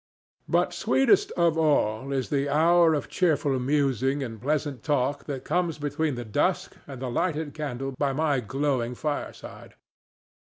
But sweetest of all is the hour of cheerful musing and pleasant talk that comes between the dusk and the lighted candle by my glowing fireside.